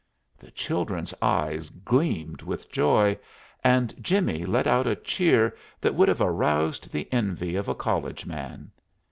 The children's eyes gleamed with joy, and Jimmie let out a cheer that would have aroused the envy of a college man.